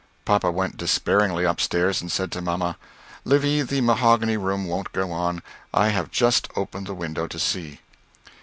Papa went despairingly upstairs and said to mamma, "Livy the mahogany room won't go on. I have just opened the window to see."